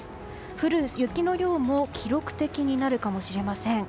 降る雪の量も記録的になるかもしれません。